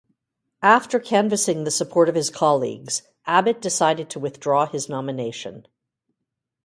After canvassing the support of his colleagues, Abbott decided to withdraw his nomination.